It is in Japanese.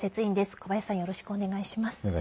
小林さん、よろしくお願いします。